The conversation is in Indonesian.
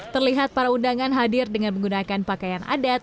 terlihat para undangan hadir dengan menggunakan pakaian adat